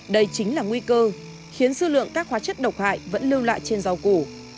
đây chính là nguy cơ khiến dư lượng các hóa chất độc hại vẫn lưu lại trên rau củ